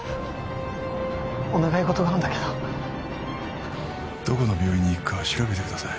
お願い事があんだけどどこの病院に行くか調べてください